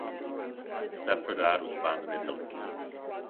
A separate ad was banned in Italy.